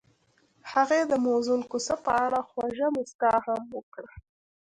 هغې د موزون کوڅه په اړه خوږه موسکا هم وکړه.